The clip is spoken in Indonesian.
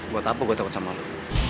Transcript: buat apa gue takut sama lo